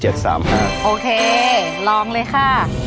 โอเคลองเลยค่ะ